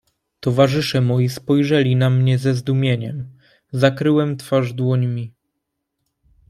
"Towarzysze moi spojrzeli na mnie ze zdumieniem; zakryłem twarz dłońmi."